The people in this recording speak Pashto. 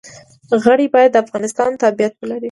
غړي باید د افغانستان تابعیت ولري.